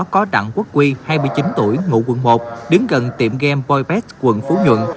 có đặng quốc huy hai mươi chín tuổi ngủ quận một đứng gần tiệm game boy pets quận phú nhuận